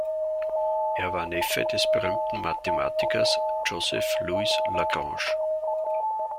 Er war Neffe des berühmten Mathematikers Joseph-Louis Lagrange.